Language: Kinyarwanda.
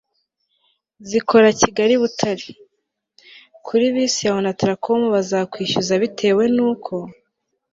zikora kigali-butare.kuri bisi ya onatracom bazakwishyuza bitewe nuko